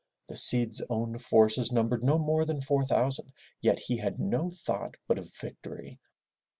The Cid's own forces numbered no more than four thousand, yet he had no thought but of victory.